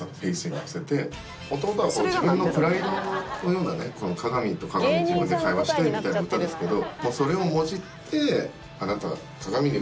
もともとは自分のプライドのようなね鏡と鏡自分で会話してみたいな歌ですけど。